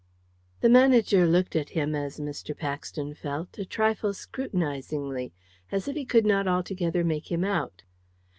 The manager looked at him, as Mr. Paxton felt, a trifle scrutinisingly, as if he could not altogether make him out.